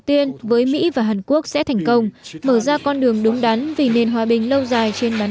tiên với mỹ và hàn quốc sẽ thành công mở ra con đường đúng đắn vì nền hòa bình lâu dài trên bán